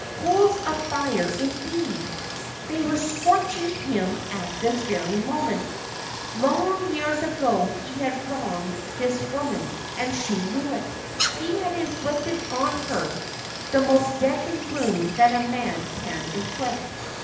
Coals of fire, indeed! They were scorching him at this very moment. Long years ago he had wronged this woman, and she knew it. He had inflicted on her the most deadly wound that a man can inflict.